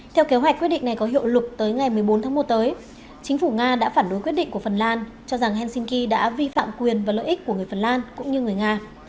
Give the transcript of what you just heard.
theo kế hoạch quyết định này có hiệu lực tới ngày một mươi bốn tháng một tới chính phủ nga đã phản đối quyết định của phần lan cho rằng helsinki đã vi phạm quyền và lợi ích của người phần lan cũng như người nga